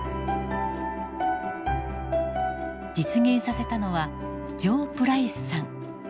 実現させたのはジョー・プライスさん。